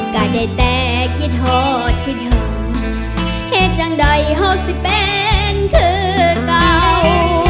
กาได้แต่คิดห่อคิดห่อเหตุจังใดห่อสิ่งเป็นคือเก่า